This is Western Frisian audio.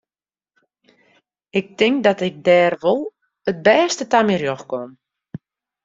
Ik tink dat ik dêr wol it bêste ta myn rjocht kom.